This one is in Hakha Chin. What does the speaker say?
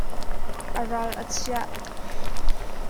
A ral a chia.